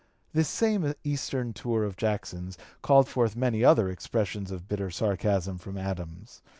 This same eastern tour of Jackson's called forth many other expressions of bitter sarcasm from Adams.